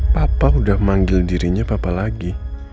papa udah manggil dirinya papa lagi